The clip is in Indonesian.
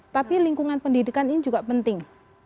tapi lingkungan pendidikan ini juga penting